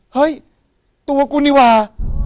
เฮ้ยตัวกูนี่ว่า